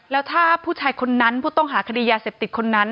แล้วถ้าผู้ชายคนนั้นผู้ต้องหาคดียาเสพติดคนนั้น